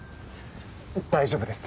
大丈夫です。